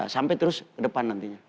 sampai terus ke depan nantinya